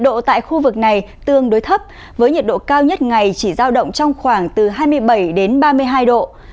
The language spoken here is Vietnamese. độ tại khu vực này tương đối thấp với nhiệt độ cao nhất ngày chỉ giao động trong khoảng từ hai mươi bảy đến ba mươi hai độ